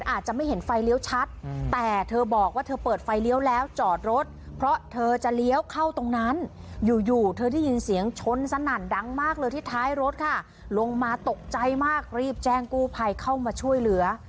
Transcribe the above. ลงมาตกใจมากรีบแจ้งกู้ภัยเข้ามาช่วยเหลือ